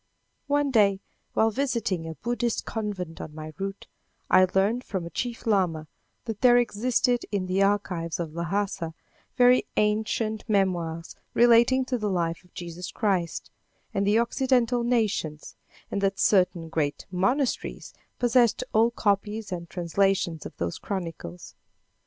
One day, while visiting a Buddhist convent on my route, I learned from a chief lama, that there existed in the archives of Lhassa, very ancient memoirs relating to the life of Jesus Christ and the occidental nations, and that certain great monasteries possessed old copies and translations of those chronicles.